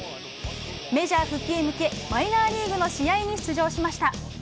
メジャー復帰へ向け、マイナーリーグの試合に出場しました。